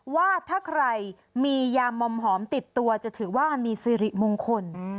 ว่าถ้าใครมียามอมหอมติดตัวจะถือว่ามันมีสิริมงคล